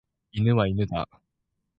犬は犬だ。